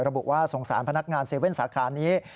ระบุว่าสงสารพนักงาน๗๑๑สาขานี้